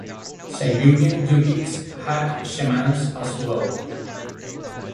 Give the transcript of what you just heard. Siberian Yupiks had shamans as well.